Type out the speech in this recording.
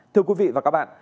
thưa quý vị và các bạn